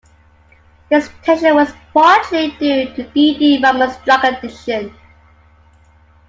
This tension was partially due to Dee Dee Ramone's drug addiction.